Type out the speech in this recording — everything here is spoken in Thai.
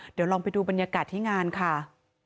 เดี๋ยวลองไปดูบรรยากาศที่งานค่ะ